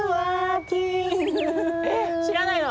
知らないの？